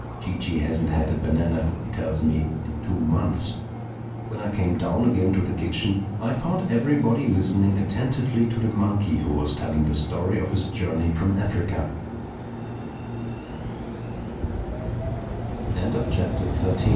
Chee Chee hasn't had a banana, he tells me, in two months." When I came down again to the kitchen I found everybody listening attentively to the monkey who was telling the story of his journey f